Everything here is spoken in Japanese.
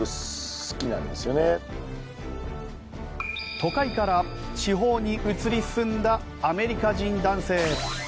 都会から地方に移り住んだアメリカ人男性。